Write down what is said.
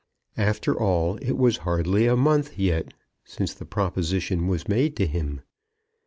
After all, it was hardly a month yet since the proposition was made to him.